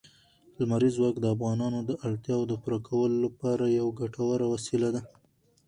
لمریز ځواک د افغانانو د اړتیاوو د پوره کولو لپاره یوه ګټوره وسیله ده.